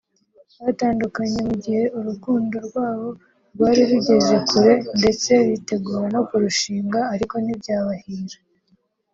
Batandukanye mu igihe urukundo rwabo rwari rugeze kure ndetse bitegura no ku rushinga ariko ntibyabahira